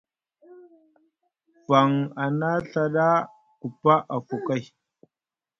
Faŋ a na Ɵa ɗa, ku pa afu kay.